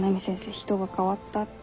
人が変わったって。